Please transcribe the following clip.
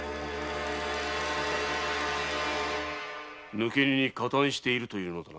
抜け荷に加担しているというのだな？